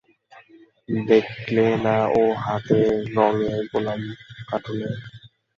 দেখলে না ও-হাতে রংয়ের গোলাম কাঁটুলে?